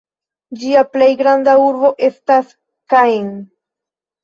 Ĝia plej granda urbo estas Caen.